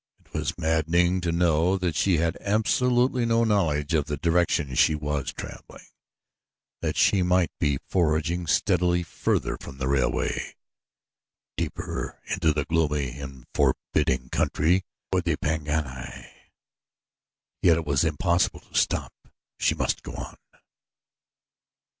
It was maddening to know that she had absolutely no knowledge of the direction she was traveling that she might be forging steadily further from the railway, deeper into the gloomy and forbidding country toward the Pangani; yet it was impossible to stop she must go on.